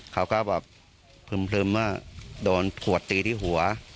เขาก็แบบพลึมว่าโดนขวดตีที่หัว